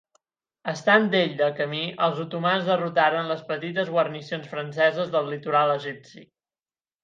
Estant ell de camí, els otomans derrotaren les petites guarnicions franceses del litoral egipci.